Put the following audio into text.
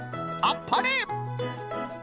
あっぱれ！